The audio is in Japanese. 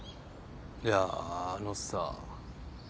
いやあのさ。